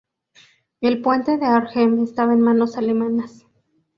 El puente de Arnhem estaba en manos alemanas.